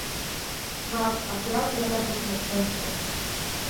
Мап, абри ауп иара дызмырҭынчуа…